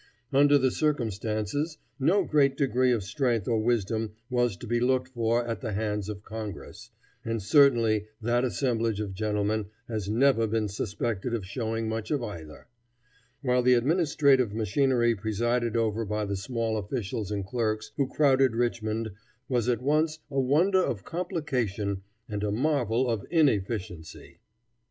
Under the circumstances, no great degree of strength or wisdom was to be looked for at the hands of Congress, and certainly that assemblage of gentlemen has never been suspected of showing much of either; while the administrative machinery presided over by the small officials and clerks who crowded Richmond was at once a wonder of complication and a marvel of inefficiency.